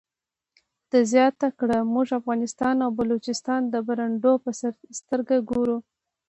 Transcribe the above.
ده زیاته کړه موږ افغانستان او بلوچستان د برنډو په سترګه ګورو.